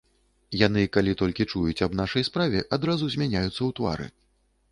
Яны калі толькі чуюць аб нашай справе, адразу змяняюцца ў твары.